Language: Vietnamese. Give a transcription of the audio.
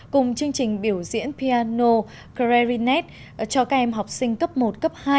cùng chương trình biểu diễn piano crenet cho các em học sinh cấp một cấp hai